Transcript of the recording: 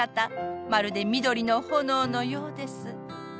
まるで緑の炎のようです。